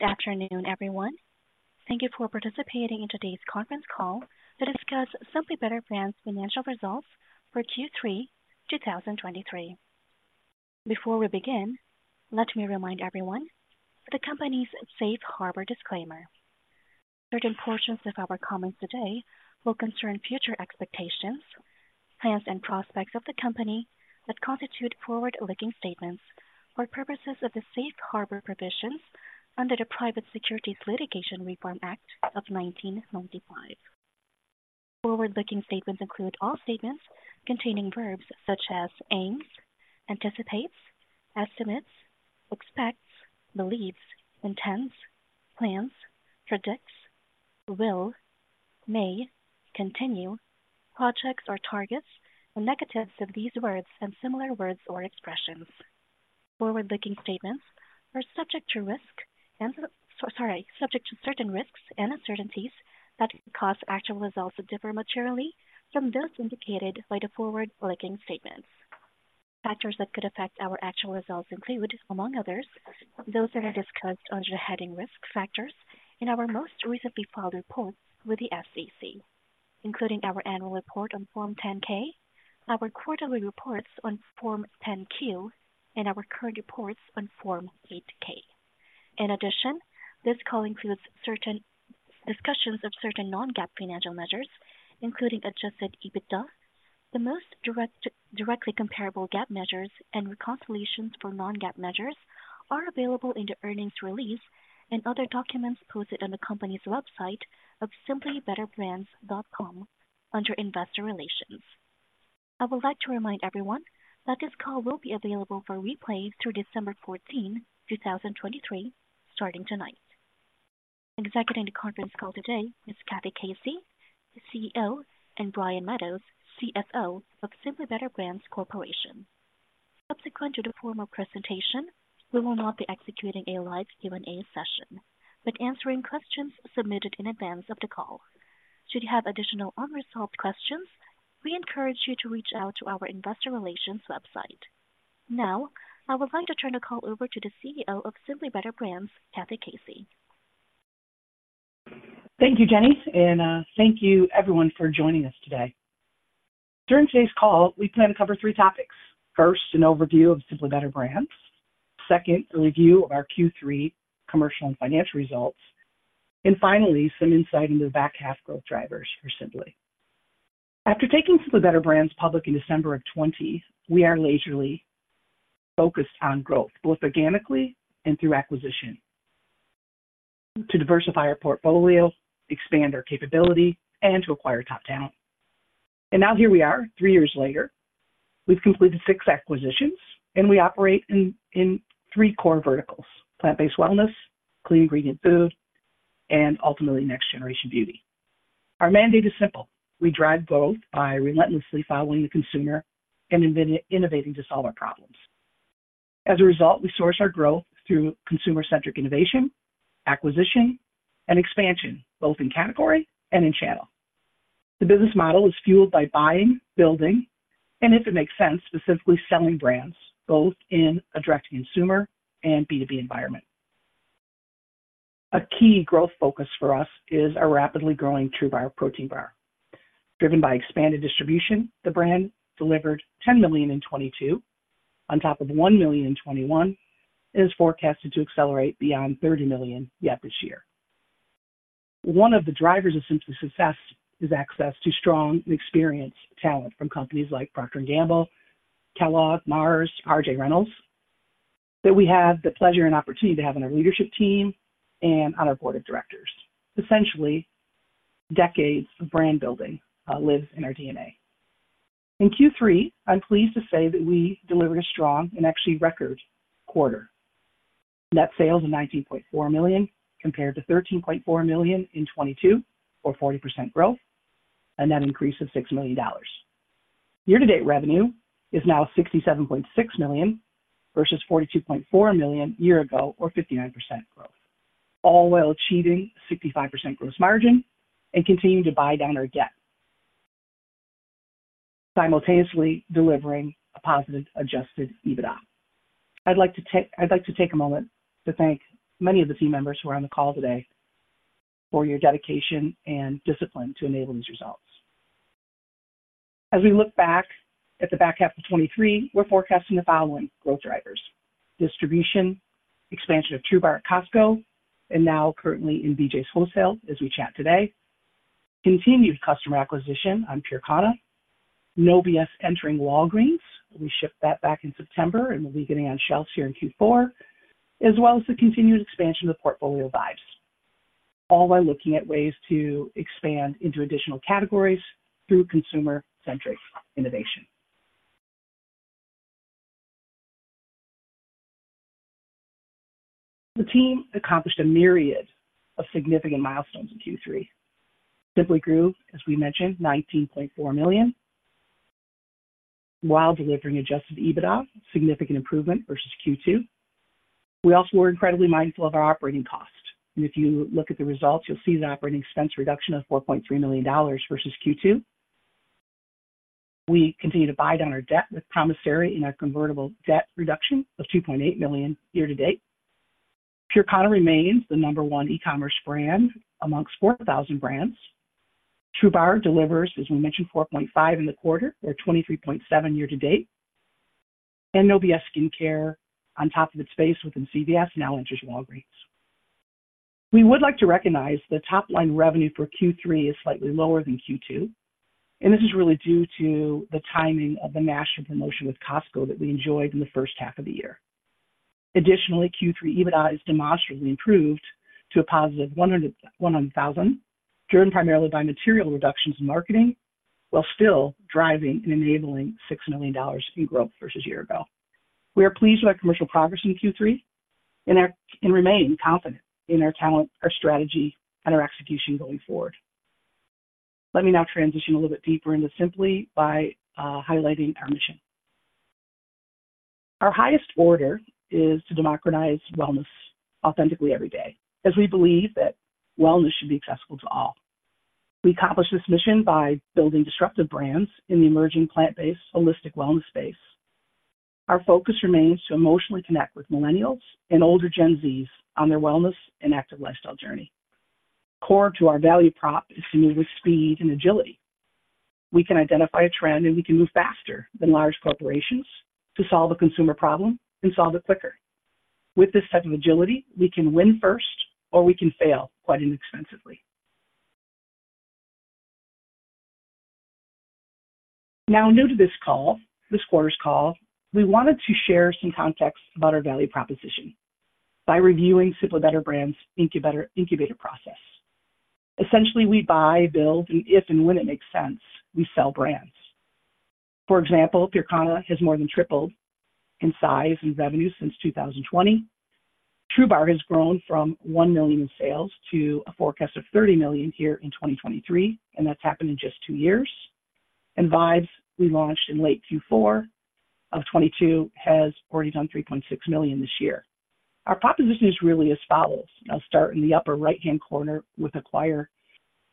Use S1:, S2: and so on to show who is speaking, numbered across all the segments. S1: Good afternoon, everyone. Thank you for participating in today's conference call to discuss Simply Better Brands' financial results for Q3 2023. Before we begin, let me remind everyone of the company's safe harbor disclaimer. Certain portions of our comments today will concern future expectations, plans, and prospects of the company that constitute forward-looking statements for purposes of the safe harbor provisions under the Private Securities Litigation Reform Act of 1995. Forward-looking statements include all statements containing verbs such as aims, anticipates, estimates, expects, believes, intends, plans, predicts, will, may, continue, projects or targets, and negatives of these words and similar words or expressions. Forward-looking statements are subject to certain risks and uncertainties that could cause actual results to differ materially from those indicated by the forward-looking statements. Factors that could affect our actual results include, among others, those that are discussed under the heading Risk Factors in our most recently filed reports with the SEC, including our annual report on Form 10-K, our quarterly reports on Form 10-Q, and our current reports on Form 8-K. In addition, this call includes certain discussions of certain non-GAAP financial measures, including adjusted EBITDA. The most direct, directly comparable GAAP measures and reconciliations for non-GAAP measures are available in the earnings release and other documents posted on the company's website of simplybetterbrands.com under Investor Relations. I would like to remind everyone that this call will be available for replay through December 14, 2023, starting tonight. Executing the conference call today is Kathy Casey, the CEO, and Brian Meadows, CFO of Simply Better Brands Corporation. Subsequent to the formal presentation, we will not be executing a live Q&A session, but answering questions submitted in advance of the call. Should you have additional unresolved questions, we encourage you to reach out to our investor relations website. Now, I would like to turn the call over to the CEO of Simply Better Brands, Kathy Casey.
S2: Thank you, Jenny, and thank you everyone for joining us today. During today's call, we plan to cover three topics. First, an overview of Simply Better Brands. Second, a review of our Q3 commercial and financial results. And finally, some insight into the back half growth drivers for Simply. After taking Simply Better Brands public in December of 2020, we are laser-focused on growth, both organically and through acquisition, to diversify our portfolio, expand our capability, and to acquire top talent. And now here we are, three years later. We've completed six acquisitions, and we operate in three core verticals: plant-based wellness, clean ingredient food, and ultimately next-generation beauty. Our mandate is simple: We drive growth by relentlessly following the consumer and innovating to solve our problems. As a result, we source our growth through consumer-centric innovation, acquisition, and expansion, both in category and in channel. The business model is fueled by buying, building, and if it makes sense, specifically selling brands both in a direct-to-consumer and B2B environment. A key growth focus for us is our rapidly growing TRUBAR protein bar. Driven by expanded distribution, the brand delivered $10 million in 2022, on top of $1 million in 2021, and is forecasted to accelerate beyond $30 million yet this year. One of the drivers of Simply's success is access to strong and experienced talent from companies like Procter & Gamble, Kellogg, Mars, R.J. Reynolds, that we have the pleasure and opportunity to have on our leadership team and on our board of directors. Essentially, decades of brand building, lives in our DNA. In Q3, I'm pleased to say that we delivered a strong and actually record quarter. Net sales of $19.4 million, compared to $13.4 million in 2022, or 40% growth, a net increase of $6 million. Year-to-date revenue is now $67.6 million versus $42.4 million a year ago, or 59% growth, all while achieving 65% gross margin and continuing to buy down our debt, simultaneously delivering a positive adjusted EBITDA. I'd like to take a moment to thank many of the team members who are on the call today for your dedication and discipline to enable these results. As we look back at the back half of 2023, we're forecasting the following growth drivers: distribution, expansion of TRUBAR at Costco, and now currently in BJ's Wholesale, as we chat today. Continued customer acquisition on PureKana, No B.S. entering Walgreens. We shipped that back in September and will be getting on shelves here in Q4, as well as the continued expansion of the portfolio of Vibez, all while looking at ways to expand into additional categories through consumer-centric innovation. The team accomplished a myriad of significant milestones in Q3. Simply grew, as we mentioned, $19.4 million, while delivering adjusted EBITDA, significant improvement versus Q2. We also were incredibly mindful of our operating costs, and if you look at the results, you'll see the operating expense reduction of $4.3 million versus Q2. We continue to buy down our debt with promissory in our convertible debt reduction of $2.8 million year-to-date. PureKana remains the number one e-commerce brand amongst 4,000 brands. TRUBAR delivers, as we mentioned, $4.5 million in the quarter or $23.7 million year-to-date. No B.S. Skincare, on top of its space within CVS, now enters Walgreens. We would like to recognize the top-line revenue for Q3 is slightly lower than Q2, and this is really due to the timing of the national promotion with Costco that we enjoyed in the first half of the year. Additionally, Q3 EBITDA is demonstrably improved to a positive $100,000, driven primarily by material reductions in marketing, while still driving and enabling $6 million in growth versus year ago. We are pleased with our commercial progress in Q3 and remain confident in our talent, our strategy, and our execution going forward. Let me now transition a little bit deeper into Simply by highlighting our mission. Our highest order is to democratize wellness authentically every day, as we believe that wellness should be accessible to all. We accomplish this mission by building disruptive brands in the emerging plant-based holistic wellness space. Our focus remains to emotionally connect with Millennials and older Gen Zs on their wellness and active lifestyle journey. Core to our value prop is to move with speed and agility. We can identify a trend, and we can move faster than large corporations to solve a consumer problem and solve it quicker. With this type of agility, we can win first or we can fail quite inexpensively. Now, new to this call, this quarter's call, we wanted to share some context about our value proposition by reviewing Simply Better Brands incubator, incubator process. Essentially, we buy, build, and if and when it makes sense, we sell brands. For example, PureKana has more than tripled in size and revenue since 2020. TRUBAR has grown from $1 million in sales to a forecast of $30 million here in 2023, and that's happened in just 2 years. Vibez, we launched in late Q4 of 2022, has already done $3.6 million this year. Our proposition is really as follows. I'll start in the upper right-hand corner with acquire.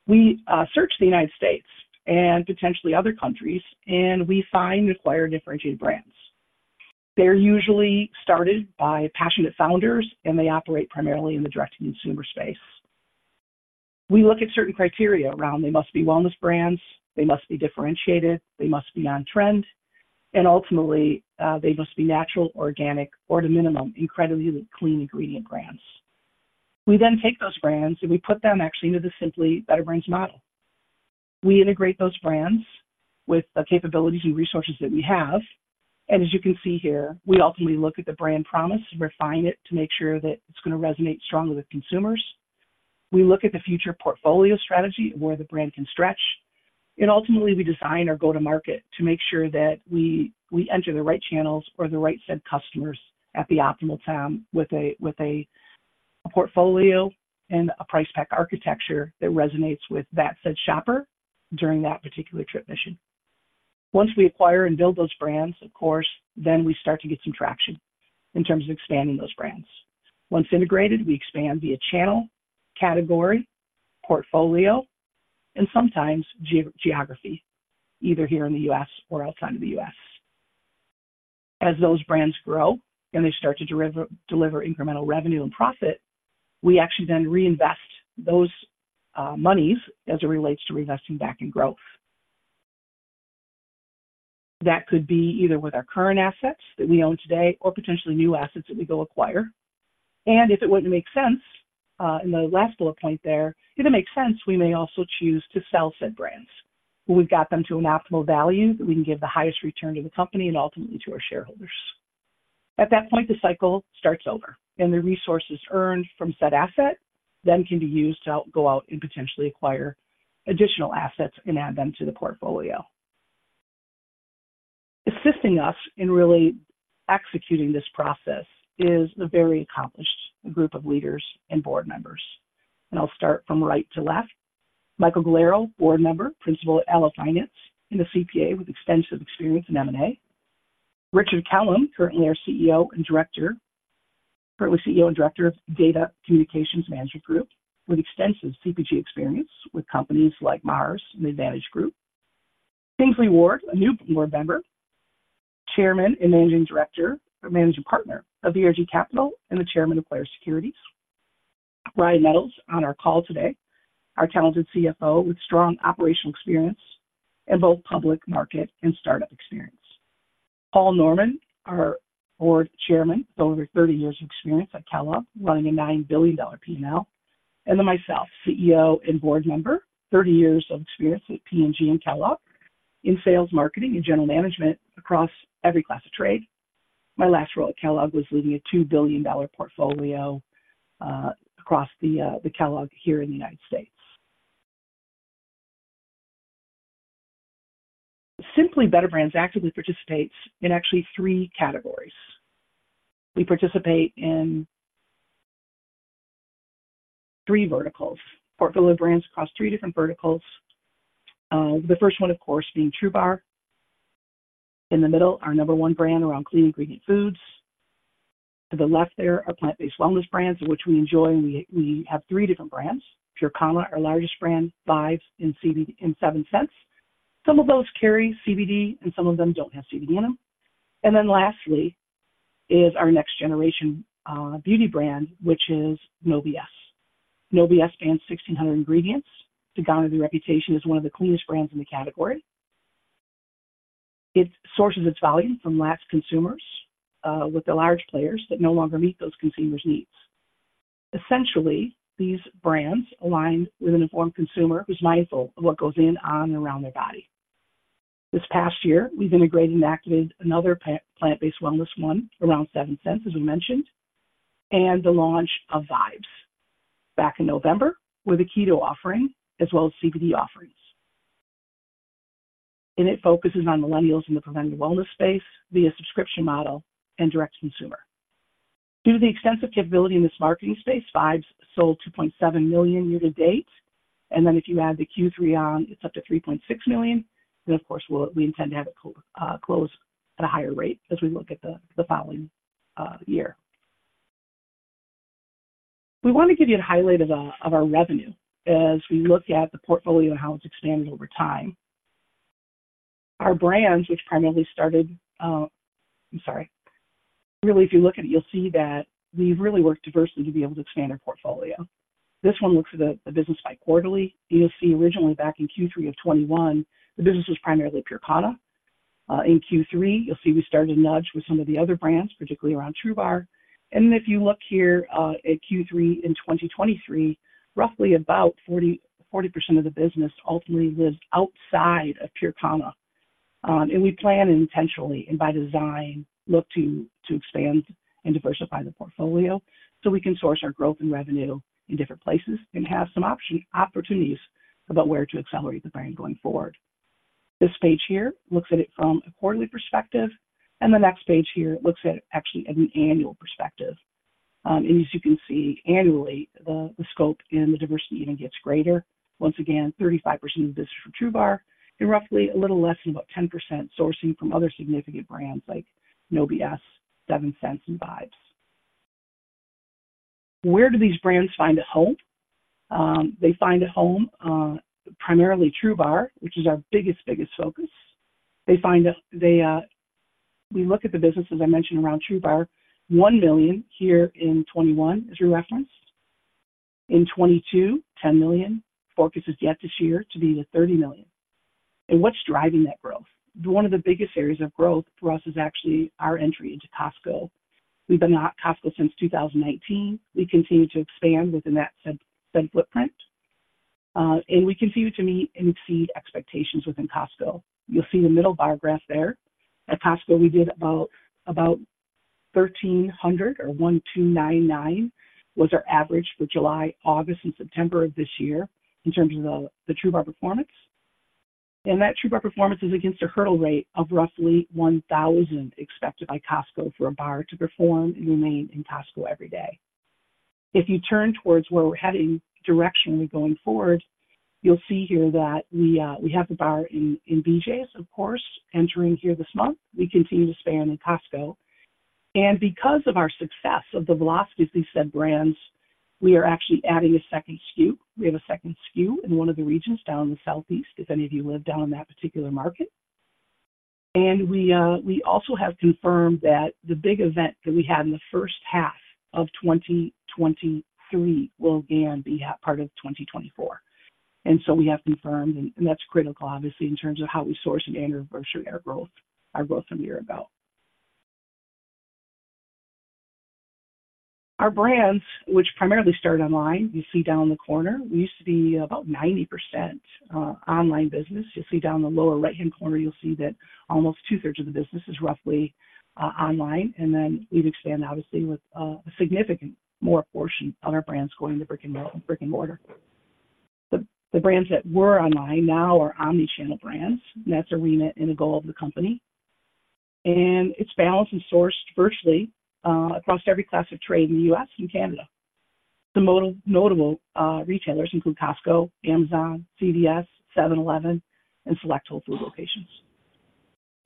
S2: We search the United States and potentially other countries, and we find and acquire differentiated brands. They're usually started by passionate founders, and they operate primarily in the direct-to-consumer space. We look at certain criteria around, they must be wellness brands, they must be differentiated, they must be on trend, and ultimately, they must be natural, organic, or the minimum, incredibly clean ingredient brands. We then take those brands, and we put them actually into the Simply Better Brands model. We integrate those brands with the capabilities and resources that we have, and as you can see here, we ultimately look at the brand promise, refine it to make sure that it's going to resonate strongly with consumers. We look at the future portfolio strategy and where the brand can stretch. And ultimately, we design or go to market to make sure that we, we enter the right channels or the right set customers at the optimal time with a, with a portfolio and a price pack architecture that resonates with that said shopper during that particular trip mission. Once we acquire and build those brands, of course, then we start to get some traction in terms of expanding those brands. Once integrated, we expand via channel, category, portfolio, and sometimes geography, either here in the U.S. or outside of the U.S. As those brands grow and they start to deliver incremental revenue and profit, we actually then reinvest those monies as it relates to reinvesting back in growth. That could be either with our current assets that we own today or potentially new assets that we go acquire. If it wouldn't make sense, in the last bullet point there, if it makes sense, we may also choose to sell said brands. When we've got them to an optimal value, that we can give the highest return to the company and ultimately to our shareholders. At that point, the cycle starts over, and the resources earned from said asset then can be used to help go out and potentially acquire additional assets and add them to the portfolio. Assisting us in really executing this process is a very accomplished group of leaders and Board members. I'll start from right to left. Michael Gaiero, Board Member, Principal at ALOE Finance, and a CPA with extensive experience in M&A. Richard Kellam, currently CEO and Director of Data Communications Management Corp., with extensive CPG experience with companies like Mars and Advantage Group. Kingsley Ward, a new board member, Chairman and Managing Director, or Managing Partner of VRG Capital and the Chairman of Clarus Securities. Ryan Nettles, on our call today, our talented CFO with strong operational experience in both public market and start-up experience. Paul Norman, our Board Chairman, with over 30 years of experience at Kellogg, running a $9 billion PNL. Then myself, CEO and board member, 30 years of experience at P&G and Kellogg in sales, marketing, and general management across every class of trade. My last role at Kellogg was leading a $2 billion portfolio, across the, the Kellogg here in the United States. Simply Better Brands actively participates in actually three categories. We participate in three verticals, portfolio brands across three different verticals. The first one, of course, being TRUBAR. In the middle, our number one brand around clean ingredient foods. To the left, there are plant-based wellness brands, which we enjoy, and we, we have three different brands. PureKana, our largest brand, Vibez, and Seventh Sense. Some of those carry CBD, and some of them don't have CBD in them. And then lastly is our next generation, beauty brand, which is No B.S. No B.S. spans 1,600 ingredients. It's garnered a reputation as one of the cleanest brands in the category. It sources its volume from lapsed consumers with the large players that no longer meet those consumers' needs. Essentially, these brands align with an informed consumer who's mindful of what goes in, on, and around their body. This past year, we've integrated and activated another plant-based wellness, one around Seventh Sense, as we mentioned, and the launch of Vibez back in November, with a keto offering as well as CBD offerings. It focuses on millennials in the preventive wellness space via subscription model and direct-to-consumer. Due to the extensive capability in this marketing space, Vibez sold $2.7 million year to date, and then if you add the Q3 on, it's up to $3.6 million. Of course, we intend to have it close at a higher rate as we look at the following year. We want to give you a highlight of our revenue as we look at the portfolio and how it's expanded over time. Our brands, which primarily started... I'm sorry. Really, if you look at it, you'll see that we've really worked diversely to be able to expand our portfolio. This one looks at the business by quarterly. You'll see originally back in Q3 of 2021, the business was primarily PureKana. In Q3, you'll see we started to nudge with some of the other brands, particularly around TRUBAR. And then if you look here at Q3 in 2023, roughly about 40, 40% of the business ultimately lives outside of PureKana. And we plan intentionally and by design look to expand and diversify the portfolio, so we can source our growth and revenue in different places and have some option, opportunities about where to accelerate the brand going forward. This page here looks at it from a quarterly perspective, and the next page here looks at it actually at an annual perspective. And as you can see, annually, the scope and the diversity even gets greater. Once again, 35% of the business is from TRUBAR and roughly a little less than about 10% sourcing from other significant brands like No B.S., Seventh Sense, and Vibez. Where do these brands find a home? They find a home primarily TRUBAR, which is our biggest focus. We look at the business, as I mentioned, around TRUBAR. $1 million here in 2021, as we referenced. In 2022, $10 million. Focus is yet this year to be the $30 million. And what's driving that growth? One of the biggest areas of growth for us is actually our entry into Costco. We've been at Costco since 2018. We continue to expand within that said footprint, and we continue to meet and exceed expectations within Costco. You'll see the middle bar graph there. At Costco, we did about 1,300 or 1,299, was our average for July, August, and September of this year in terms of the TruBar performance. And that TruBar performance is against a hurdle rate of roughly 1,000 expected by Costco for a bar to perform and remain in Costco every day. If you turn towards where we're heading directionally going forward, you'll see here that we have the bar in BJ's, of course, entering here this month. We continue to expand in Costco, and because of our success of the velocity of these said brands, we are actually adding a second SKU. We have a second SKU in one of the regions down in the Southeast if any of you live down in that particular market. And we also have confirmed that the big event that we had in the first half of 2023 will again be part of 2024. And so we have confirmed, and that's critical obviously, in terms of how we source and anniversary our growth, our growth from year to about. Our brands, which primarily start online, you see down in the corner, we used to be about 90%, online business. You'll see down in the lower right-hand corner, you'll see that almost two-thirds of the business is roughly online, and then we've expanded obviously with a significant more portion of our brands going to brick and mill—brick and mortar. The brands that were online now are omni-channel brands, and that's our arena and a goal of the company. It's balanced and sourced virtually across every class of trade in the U.S. and Canada. The notable retailers include Costco, Amazon, CVS, 7-Eleven, and select Whole Foods locations.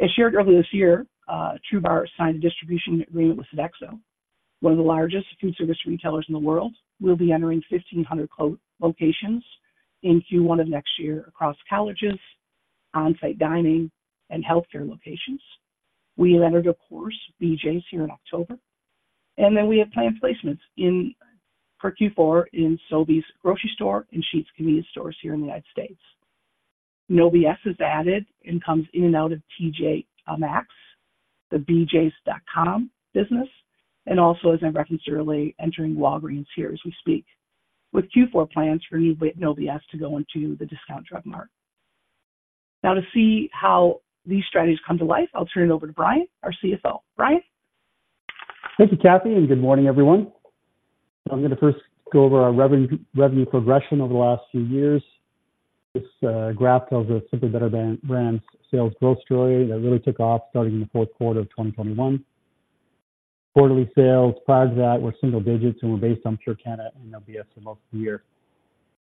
S2: As shared earlier this year, TruBar signed a distribution agreement with Sodexo, one of the largest food service retailers in the world. We'll be entering 1,500 co-locations in Q1 of next year across colleges, on-site dining, and healthcare locations. We entered, of course, BJ's here in October, and then we have planned placements in for Q4 in Sobeys grocery stores and Sheetz convenience stores here in the United States. No B.S. is added and comes in and out of TJ Maxx, the bjs.com business, and also, as I referenced earlier, entering Walgreens here as we speak, with Q4 plans for new No B.S. to go into the Discount Drug Mart. Now to see how these strategies come to life, I'll turn it over to Brian, our CFO. Brian?
S3: Thank you, Kathy, and good morning, everyone. I'm going to first go over our revenue, revenue progression over the last few years. This graph tells us Simply Better Brands' sales growth story that really took off starting in the fourth quarter of 2021. Quarterly sales prior to that were single digits and were based on PureKana and No B.S. for most of the year.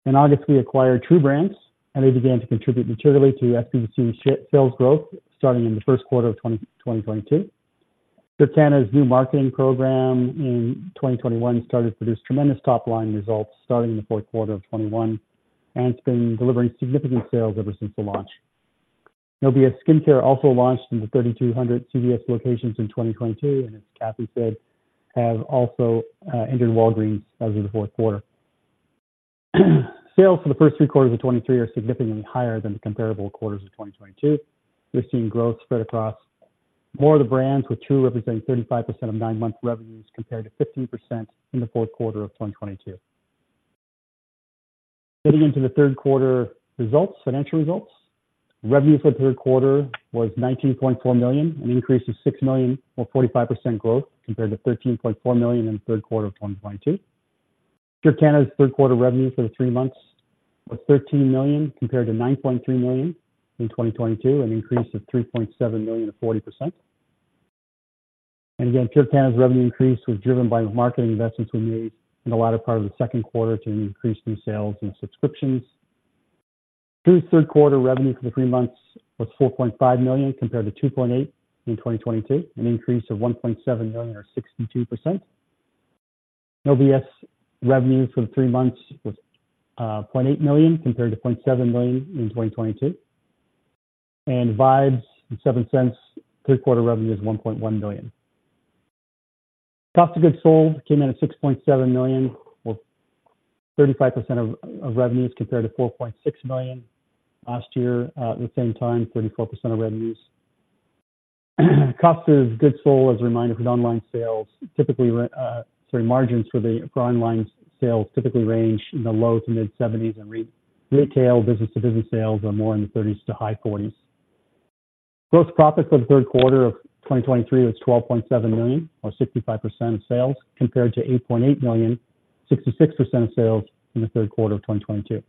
S3: In August, we acquired TRU Brands, and they began to contribute materially to SBBC sales growth starting in the first quarter of 2022. PureKana's new marketing program in 2021 started to produce tremendous top-line results starting in the fourth quarter of 2021, and it's been delivering significant sales ever since the launch. No B.S. Skincare also launched into 3,200 CVS locations in 2022, and as Kathy said, have also entered Walgreens as of the fourth quarter. Sales for the first three quarters of 2023 are significantly higher than the comparable quarters of 2022. We're seeing growth spread across more of the brands, with TRU representing 35% of nine-month revenues, compared to 15% in the fourth quarter of 2022. Getting into the third quarter results, financial results. Revenue for the third quarter was $19.4 million, an increase of $6 million or 45% growth compared to $13.4 million in the third quarter of 2022. PureKana's third quarter revenue for the three months was $13 million, compared to $9.3 million in 2022, an increase of $3.7 million to 40%. And again, PureKana's revenue increase was driven by the marketing investments we made in the latter part of the second quarter to increase new sales and subscriptions. TRU's third quarter revenue for the three months was $4.5 million, compared to $2.8 million in 2022, an increase of $1.7 million, or 62%. LBS revenue for the three months was $0.8 million, compared to $0.7 million in 2022. Vibez and Seventh Sense third quarter revenue is $1.1 million. Cost of goods sold came in at $6.7 million, or 35% of revenues, compared to $4.6 million last year at the same time, 34% of revenues. Cost of goods sold as a reminder, for online sales, typically -- sorry, margins for the online sales typically range in the low- to mid-70s, and retail business to business sales are more in the 30s to high 40s. Gross profit for the third quarter of 2023 was $12.7 million, or 65% of sales, compared to $8.8 million, 66% of sales in the third quarter of 2022.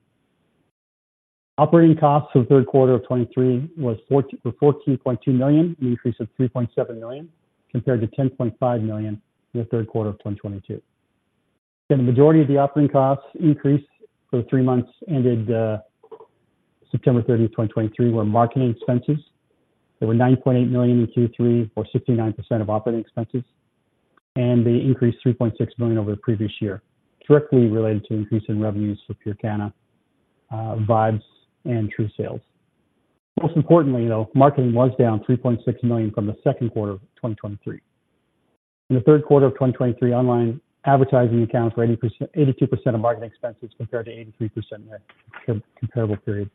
S3: Operating costs for the third quarter of 2023 was or $14.2 million, an increase of $3.7 million, compared to $10.5 million in the third quarter of 2022. The majority of the operating costs increase for the three months ended September 30, 2023, were marketing expenses. They were $9.8 million in Q3, or 69% of operating expenses, and they increased $3.6 million over the previous year, directly related to increase in revenues for PureKana, Vibez and TRU sales. Most importantly, though, marketing was down $3.6 million from the second quarter of 2023. In the third quarter of 2023, online advertising accounted for 80% to 82% of marketing expenses, compared to 83% in the comparable period.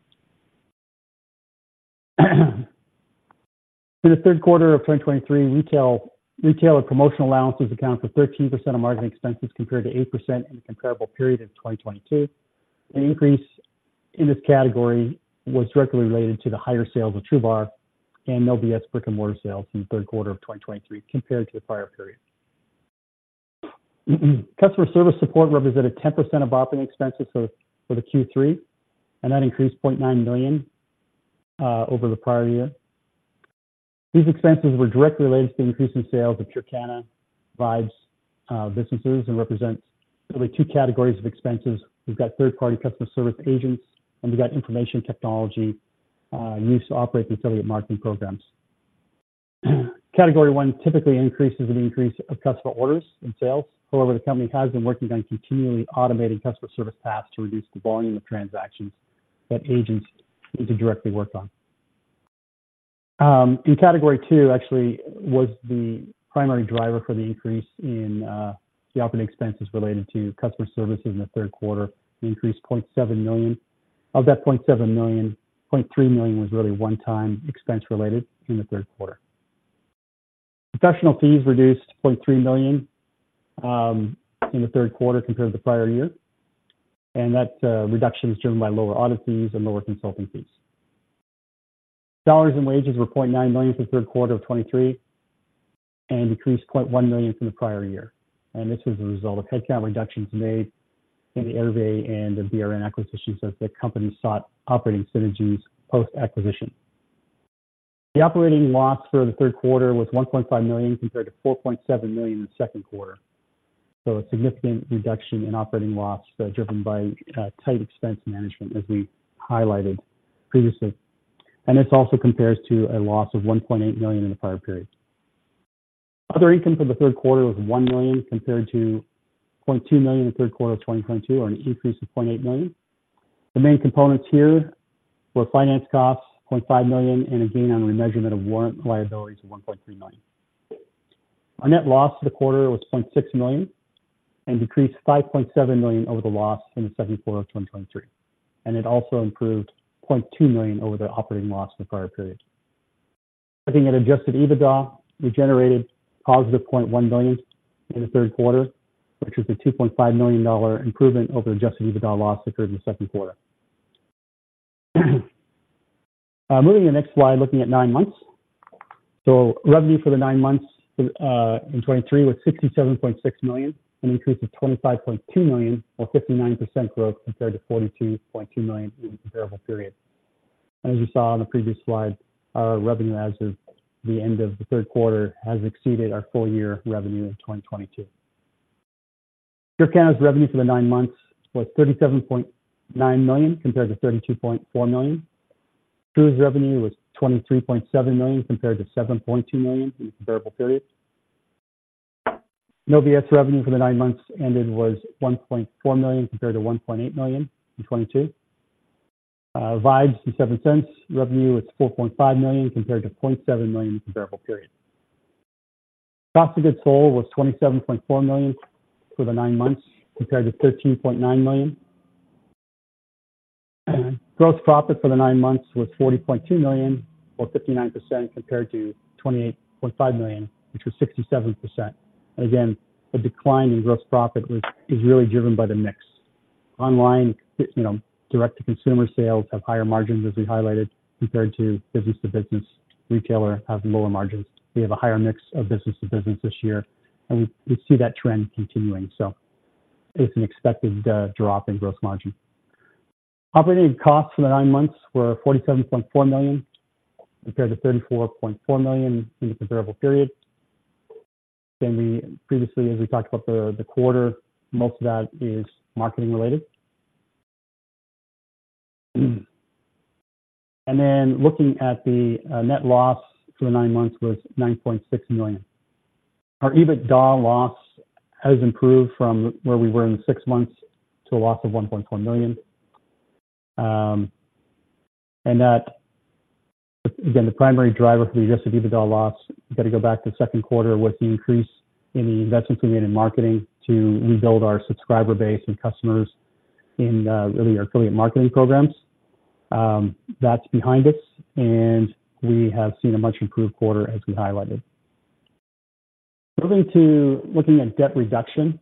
S3: In the third quarter of 2023, retailer promotional allowances accounted for 13% of marketing expenses, compared to 8% in the comparable period in 2022. An increase in this category was directly related to the higher sales of TRUBAR and No B.S. brick-and-mortar sales in the third quarter of 2023 compared to the prior period. Customer service support represented 10% of operating expenses for the Q3, and that increased $0.9 million over the prior year. These expenses were directly related to the increase in sales of PureKana, Vibez businesses, and represents really two categories of expenses. We've got third-party customer service agents, and we've got information technology use to operate the affiliate marketing programs. Category one typically increases with an increase of customer orders and sales. However, the company has been working on continually automating customer service tasks to reduce the volume of transactions that agents need to directly work on. In category two, actually was the primary driver for the increase in the operating expenses related to customer service in the third quarter, increased $0.7 million. Of that $0.7 million, $0.3 million was really one-time expense related in the third quarter. Professional fees reduced $0.3 million in the third quarter compared to the prior year, and that reduction is driven by lower audit fees and lower consulting fees. Salaries and wages were $0.9 million for the third quarter of 2023 and decreased $0.1 million from the prior year, and this was a result of headcount reductions made in the Hervé and the BRN acquisitions as the company sought operating synergies post-acquisition. The operating loss for the third quarter was $1.5 million, compared to $4.7 million in the second quarter. So a significant reduction in operating loss, driven by tight expense management, as we highlighted previously. And this also compares to a loss of $1.8 million in the prior period. Other income for the third quarter was $1 million, compared to $0.2 million in the third quarter of 2022, or an increase of $0.8 million. The main components here were finance costs, $0.5 million, and a gain on remeasurement of Warrant Liabilities of $1.3 million. Our net loss for the quarter was $0.6 million and decreased $5.7 million over the loss in the second quarter of 2023, and it also improved $0.2 million over the operating loss in the prior period. Looking at Adjusted EBITDA, we generated positive $0.1 million in the third quarter, which is a $2.5 million-dollar improvement over the Adjusted EBITDA loss occurred in the second quarter. Moving to the next slide, looking at nine months. So revenue for the nine months in 2023 was $67.6 million, an increase of $25.2 million or 59% growth compared to $42.2 million in the comparable period.... As you saw on the previous slide, our revenue as of the end of the third quarter has exceeded our full year revenue in 2022. PureKana's revenue for the nine months was $37.9 million, compared to $32.4 million. TRU's revenue was $23.7 million, compared to $7.2 million in comparable periods. No B.S. Skincare's revenue for the nine months ended was $1.4 million, compared to $1.8 million in 2022. Vibez and Seventh Sense revenue was $4.5 million, compared to $0.7 million in comparable period. Cost of goods sold was $27.4 million for the nine months, compared to $13.9 million. Gross profit for the nine months was $40.2 million, or 59%, compared to $28.5 million, which was 67%. Again, the decline in gross profit was, is really driven by the mix. Online, you know, direct-to-consumer sales have higher margins, as we highlighted, compared to business-to-business. Retailer have lower margins. We have a higher mix of business-to-business this year, and we, we see that trend continuing. So it's an expected drop in gross margin. Operating costs for the nine months were $47.4 million, compared to $34.4 million in the comparable period. Then we previously, as we talked about the, the quarter, most of that is marketing related. And then looking at the net loss for the nine months was $9.6 million. Our EBITDA loss has improved from where we were in the six months to a loss of $1.1 million. And that, again, the primary driver for the adjusted EBITDA loss, you got to go back to the second quarter, was the increase in the investments we made in marketing to rebuild our subscriber base and customers in really our affiliate marketing programs. That's behind us, and we have seen a much improved quarter, as we highlighted. Moving to looking at debt reduction.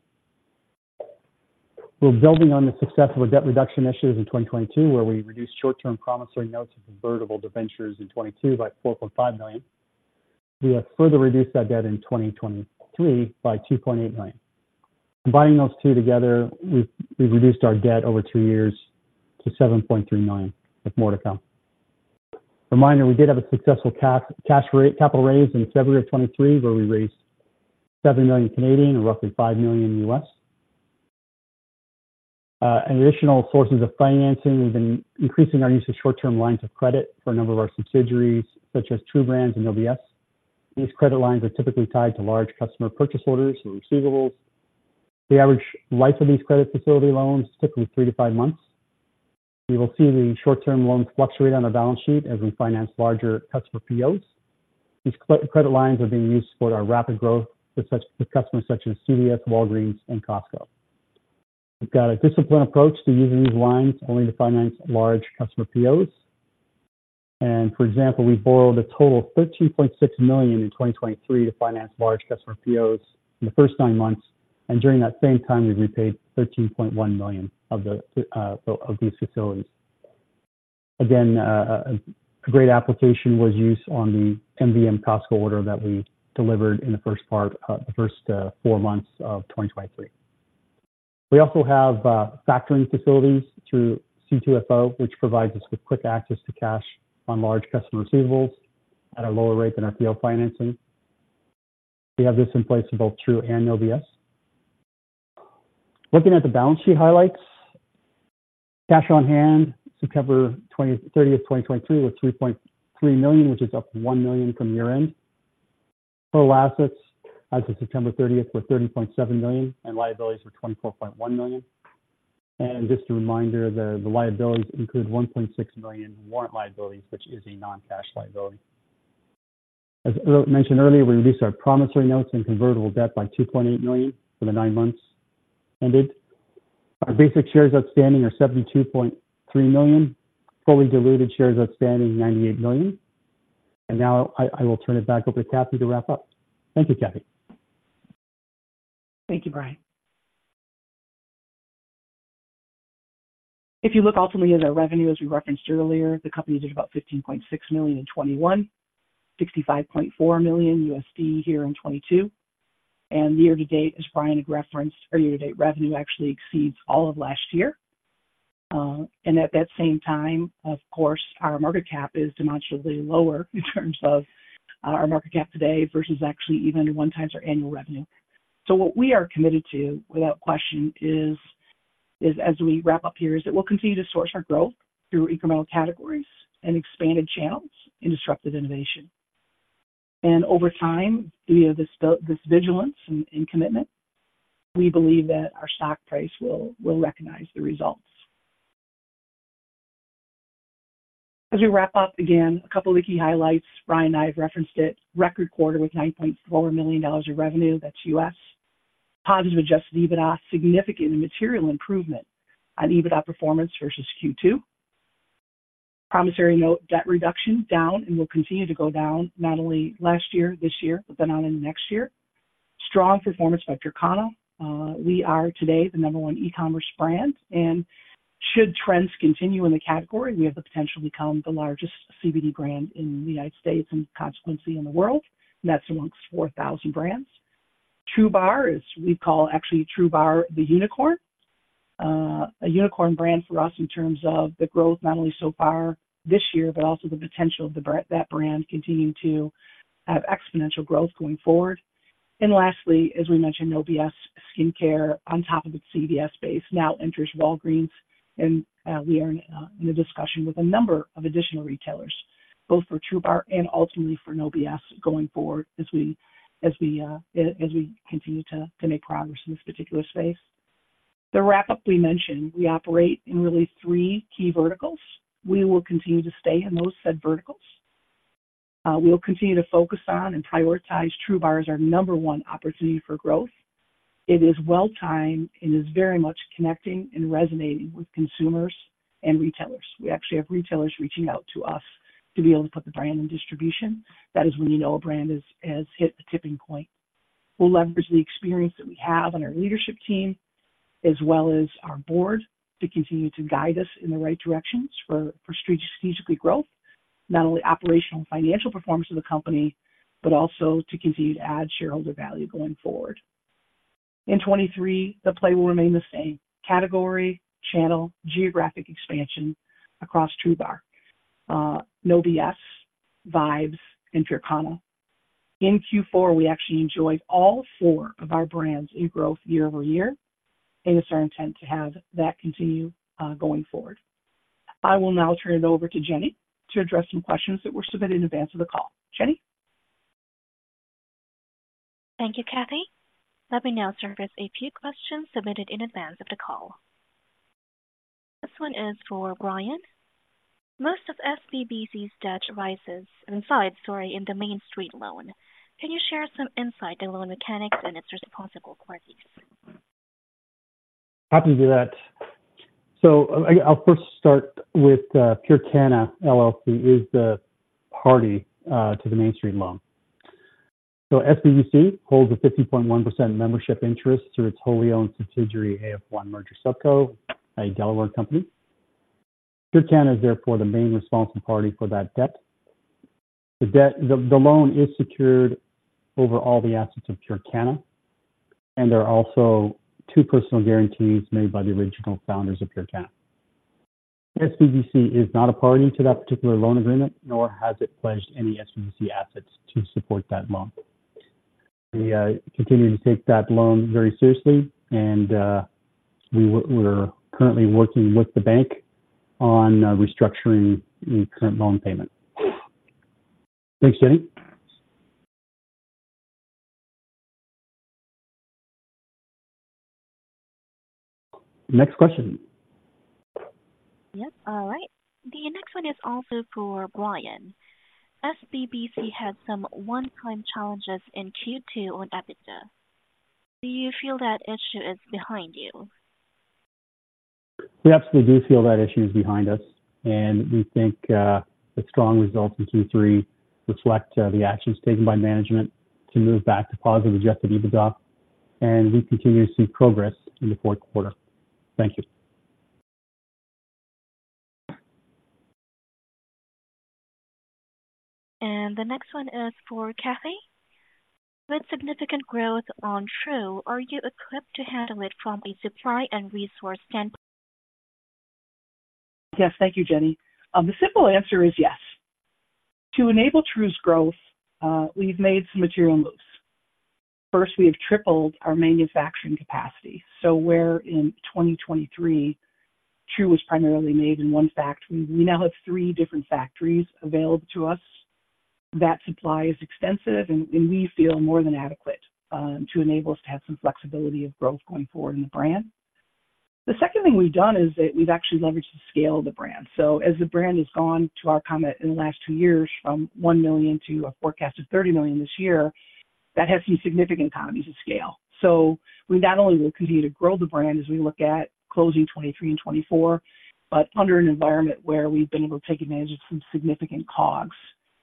S3: We're building on the success of our debt reduction initiatives in 2022, where we reduced short-term promissory notes and convertible debentures in 2022 by $4.5 million. We have further reduced our debt in 2023 by $2.8 million. Combining those two together, we've reduced our debt over two years to $7.3 million, with more to come. Reminder, we did have a successful capital raise in February of 2023, where we raised 7 million, or roughly $5 million. Additional sources of financing, we've been increasing our use of short-term lines of credit for a number of our subsidiaries, such as TRU Brands and Novia. These credit lines are typically tied to large customer purchase orders and receivables. The average life of these credit facility loans is typically 3-5 months. We will see the short-term loans fluctuate on the balance sheet as we finance larger customer POs. These credit lines are being used to support our rapid growth with customers such as CVS, Walgreens, and Costco. We've got a disciplined approach to using these lines only to finance large customer POs. And for example, we borrowed a total of $13.6 million in 2023 to finance large customer POs in the first 9 months, and during that same time, we repaid $13.1 million of the, of these facilities. Again, a great application was used on the MVM Costco order that we delivered in the first part, the first, 4 months of 2023. We also have factoring facilities through C2FO, which provides us with quick access to cash on large customer receivables at a lower rate than our PO financing. We have this in place in both TRU and No B.S. Looking at the balance sheet highlights, cash on hand, September 30, 2023, was $3.3 million, which is up $1 million from year-end. Total assets as of September 30 were $30.7 million, and liabilities were $24.1 million. Just a reminder, the liabilities include $1.6 million in warrant liabilities, which is a non-cash liability. As earlier mentioned, we reduced our promissory notes and convertible debt by $2.8 million for the nine months ended. Our basic shares outstanding are 72.3 million, fully diluted shares outstanding, 98 million. Now I will turn it back over to Kathy to wrap up. Thank you, Kathy.
S2: Thank you, Brian. If you look ultimately at our revenue, as we referenced earlier, the company did about $15.6 million in 2021, $65.4 million here in 2022. Year to date, as Brian had referenced, our year-to-date revenue actually exceeds all of last year. And at that same time, of course, our market cap is demonstrably lower in terms of, our market cap today versus actually even at 1x our annual revenue. So what we are committed to, without question, is as we wrap up here, is that we'll continue to source our growth through incremental categories and expanded channels and disruptive innovation. And over time, via this vigilance and commitment, we believe that our stock price will recognize the results. As we wrap up, again, a couple of the key highlights. Brian and I have referenced it, record quarter with $9.4 million of revenue, that's U.S. Positive Adjusted EBITDA, significant and material improvement on EBITDA performance versus Q2. Promissory note debt reduction down and will continue to go down not only last year, this year, but then on in next year. Strong performance by PureKana. We are today the number one e-commerce brand, and should trends continue in the category, we have the potential to become the largest CBD brand in the United States and, consequently, in the world. That's amongst 4,000 brands. TRUBAR, as we call actually TRUBAR, the unicorn. A unicorn brand for us in terms of the growth, not only so far this year, but also the potential of that brand continuing to have exponential growth going forward. And lastly, as we mentioned, No B.S. Skincare, on top of its CVS base, now enters Walgreens, and we are in a discussion with a number of additional retailers, both for TRUBAR and ultimately for No B.S. going forward, as we continue to make progress in this particular space. The wrap-up we mentioned, we operate in really three key verticals. We will continue to stay in those said verticals. We'll continue to focus on and prioritize TRUBAR as our number one opportunity for growth. It is well-timed and is very much connecting and resonating with consumers and retailers. We actually have retailers reaching out to us to be able to put the brand in distribution. That is when you know a brand has hit the tipping point. We'll leverage the experience that we have on our leadership team, as well as our board, to continue to guide us in the right directions for strategically growth, not only operational and financial performance of the company, but also to continue to add shareholder value going forward. In 2023, the play will remain the same: category, channel, geographic expansion across TRUBAR, No B.S., Vibez, and PureKana. In Q4, we actually enjoyed all four of our brands in growth year-over-year, and it's our intent to have that continue going forward. I will now turn it over to Jenny to address some questions that were submitted in advance of the call. Jenny?
S1: Thank you, Kathy. Let me now surface a few questions submitted in advance of the call. This one is for Brian. Most of SBBC's debt rises inside, sorry, in the Main Street Loan. Can you share some insight into loan mechanics and its responsible parties?
S3: Happy to do that. So I'll first start with PureKana, LLC, is the party to the Main Street loan. So SBBC holds a 50.1% membership interest through its wholly owned subsidiary, AF1 Merger SubCo, a Delaware company. PureKana is therefore the main responsible party for that debt. The debt, the loan is secured over all the assets of PureKana, and there are also two personal guarantees made by the original founders of PureKana. SBBC is not a party to that particular loan agreement, nor has it pledged any SBBC assets to support that loan. We continue to take that loan very seriously and we're currently working with the bank on restructuring the current loan payment. Thanks, Jenny. Next question.
S1: Yep, all right. The next one is also for Brian. SBBC had some one-time challenges in Q2 on EBITDA. Do you feel that issue is behind you?
S3: We absolutely do feel that issue is behind us, and we think, the strong results in Q3 reflect, the actions taken by management to move back to positive Adjusted EBITDA, and we continue to see progress in the fourth quarter. Thank you.
S1: The next one is for Kathy. With significant growth on Tru, are you equipped to handle it from a supply and resource standpoint?
S2: Yes, thank you, Jenny. The simple answer is yes. To enable TRU's growth, we've made some material moves. First, we have tripled our manufacturing capacity. So where in 2023, TRU was primarily made in one factory, we now have three different factories available to us. That supply is extensive and we feel more than adequate to enable us to have some flexibility of growth going forward in the brand. The second thing we've done is that we've actually leveraged the scale of the brand. So as the brand has gone, to our comment, in the last two years, from $1 million to a forecast of $30 million this year, that has some significant economies of scale. So we not only will continue to grow the brand as we look at closing 2023 and 2024, but under an environment where we've been able to take advantage of some significant COGS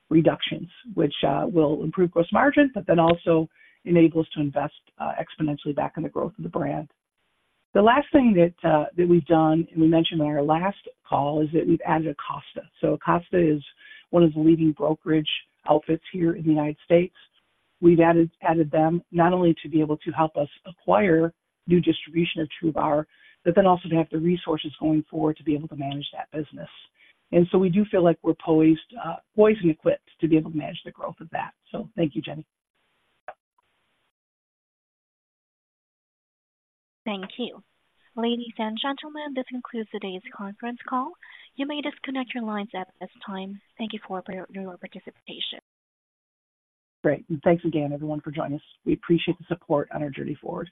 S2: reductions, which will improve gross margin, but then also enable us to invest exponentially back in the growth of the brand. The last thing that we've done, and we mentioned on our last call, is that we've added Acosta. So Acosta is one of the leading brokerage outfits here in the United States. We've added them not only to be able to help us acquire new distribution of TRUBAR, but then also to have the resources going forward to be able to manage that business. And so we do feel like we're poised and equipped to be able to manage the growth of that. So thank you, Jenny.
S1: Thank you. Ladies and gentlemen, this concludes today's conference call. You may disconnect your lines at this time. Thank you for your participation.
S2: Great. Thanks again, everyone, for joining us. We appreciate the support on our journey forward.